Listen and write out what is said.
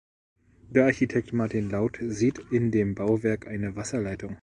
Der Architekt Martin Lauth sieht in dem Bauwerk eine Wasserleitung.